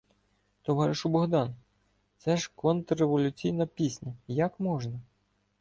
— Товаришу Богдан! Це ж контрреволюційна пісня, як можна?